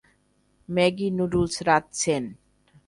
Maggi noodles রাঁধছেন?